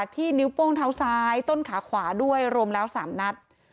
ที่นิ้วโป้งเท้าซ้ายต้นขาขวาด้วยรวมแล้ว๓นัด